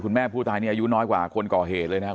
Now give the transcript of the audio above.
แม่ผู้ตายนี่อายุน้อยกว่าคนก่อเหตุเลยนะครับ